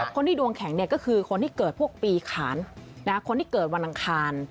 คนที่ดวงแข็งก็คือคนที่เกิดพวกปีขานคนที่เกิดวันอังคาร